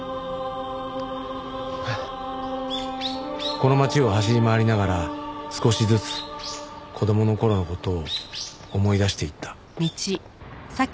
この街を走り回りながら少しずつ子供の頃の事を思い出していった